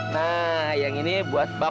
nah yang ini buat bapak